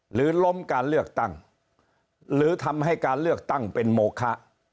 ล้มการเลือกตั้งหรือทำให้การเลือกตั้งเป็นโมคะ